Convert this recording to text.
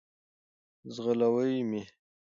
ځغلوی مي .